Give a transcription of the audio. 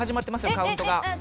カウントが。